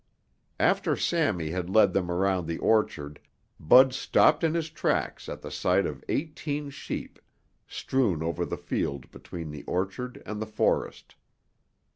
After Sammy had led them around the orchard, Bud stopped in his tracks at the sight of eighteen sheep strewn over the field between the orchard and the forest.